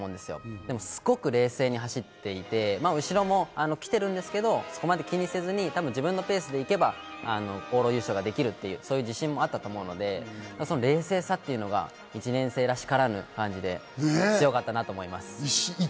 でもすごく冷静に走っていて、後ろも来ているんですけれど、そこまで気にせずに自分のペースで行けば、往路優勝ができるという自信もあったと思うので、その冷静さというのが１年生らしからぬ感じで強かったなと思います。